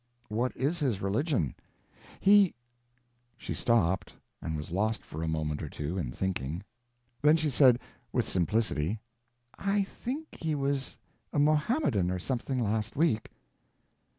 "What is his religion?" "He—" She stopped, and was lost for a moment or two in thinking, then she said, with simplicity, "I think he was a Mohammedan or something last week."